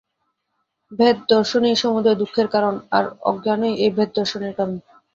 ভেদ-দর্শনই সমুদয় দুঃখের কারণ, আর অজ্ঞানই এই ভেদ-দর্শনের কারণ।